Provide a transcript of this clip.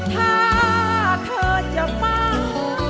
ถ้าเธอจะบ้าง